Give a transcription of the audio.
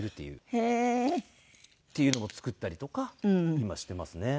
へえー！っていうのも作ったりとか今してますね。